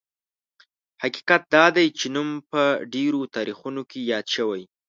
حقیقت دا دی چې نوم په ډېرو تاریخونو کې یاد شوی.